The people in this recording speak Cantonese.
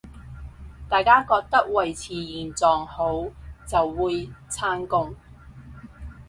大家覺得維持現狀好，就會撐共